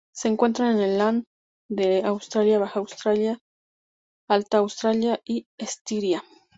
Se encuentran en el "land" de Austria: Baja Austria, Alta Austria y Estiria.